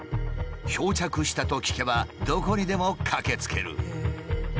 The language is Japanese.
漂着したと聞けばどこにでも駆けつける。